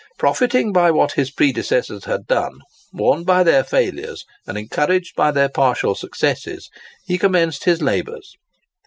Profiting by what his predecessors had done, warned by their failures and encouraged by their partial successes, he commenced his labours.